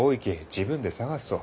自分で探すと。